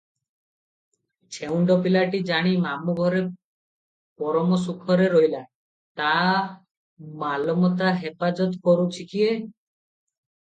ଛେଉଣ୍ଡ ପିଲାଟି ଜାଣି ମାମୁ ଘରେ ପରମ ସୁଖରେ ରହିଲା, ତା ମାଲମତା ହେପାଜତ କରୁଛି କିଏ?